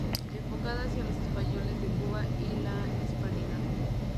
Enfocado hacia los españoles de Cuba y la Hispanidad.